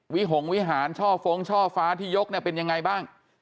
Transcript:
วิหงวิหารช่อฟงช่อฟ้าที่ยกเป็นอย่างไรบ้าง